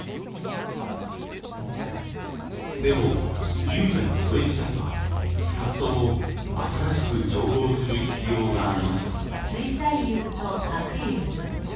でも釉薬それ自体は２つとも新しく調合する必要がありました。